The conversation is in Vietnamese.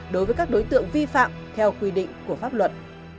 đối với các đối tượng vi phạm theo quy định của pháp luật